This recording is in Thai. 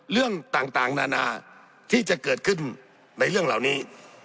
เรื่องต่างนานาที่จะเกิดขึ้นในเรื่องเหล่านี้